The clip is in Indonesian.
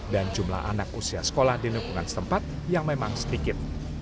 dan jumlah anak usia sekolah di nebukan setempat yang memang sedikit